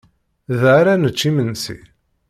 Da ara nečč imensi.